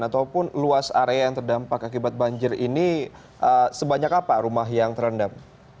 ataupun luas area yang terdampak akibat banjir ini sebanyak apa rumah yang terendam